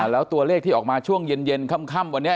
แล้วตัวเลขที่ออกมาช่วงเย็นค่ำวันนี้